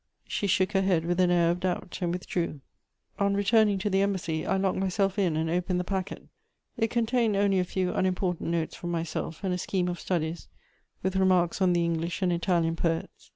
She shook her head with an air of doubt, and withdrew. On returning to the Embassy, I locked myself in and opened the packet. It contained only a few unimportant notes from myself and a scheme of studies, with remarks on the English and Italian poets.